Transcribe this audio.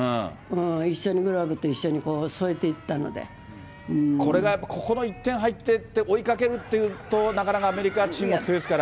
一緒に、グローブと一緒に添えてこれがやっぱりここに１点入って、追いかけるっていうと、なかなかアメリカは強いですから。